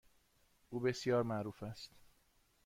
او بسیار معروف است.